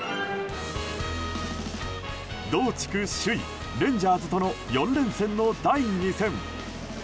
同地区首位、レンジャーズとの４連戦の第２戦。